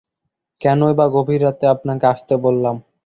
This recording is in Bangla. কেনই-বা গভীর রাতে আপনাকে আসতে বললাম?